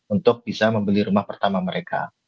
untuk bisa membeli rumah pertama mereka